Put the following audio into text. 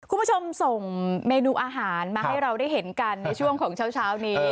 คุณผู้ชมส่งเมนูอาหารมาให้เราได้เห็นกันในช่วงของเช้านี้